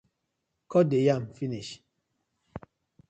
Kot de yam finish.